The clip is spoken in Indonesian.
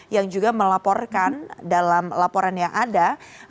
yang juga melaporkan dalam laporan yang ada